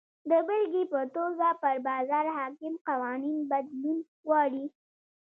د بېلګې په توګه پر بازار حاکم قوانین بدلون غواړي.